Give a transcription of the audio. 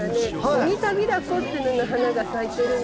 オニタビラコってのの花が咲いているの。